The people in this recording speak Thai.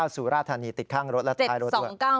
๗๒๙สุรธานีติดข้างรถและท้ายรถตัว